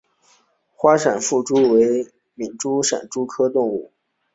花闪腹蛛为皿蛛科闪腹蛛属的动物。